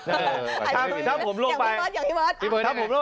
เออถ้าผมลงไปอย่างพี่เบิร์ดอย่างพี่เบิร์ด